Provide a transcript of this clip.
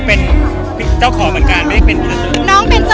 เป็นเจ้าของแบรนด์